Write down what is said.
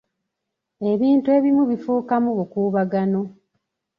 Ebintu ebimu bifuukamu bukuubagano.